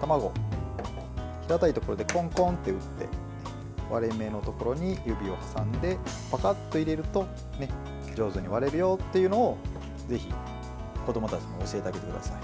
卵を平たいところでコンコンと打って割れ目のところに指を挟んでパカッと入れると上手に割れるよというのをぜひ子どもたちに教えてあげてください。